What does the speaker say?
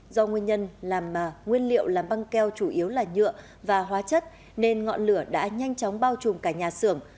do nguyên liệu làm băng keo chủ yếu là nhựa và hóa chất nên ngọn lửa đã nhanh chóng bao trùm cả nhà sưởng